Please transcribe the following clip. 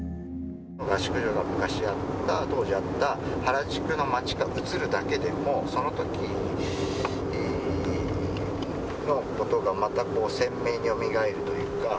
合宿所が昔あった、当時あった原宿の街が映るだけでも、そのときのことがまたこう、鮮明によみがえるというか。